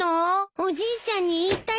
おじいちゃんに言いたいです。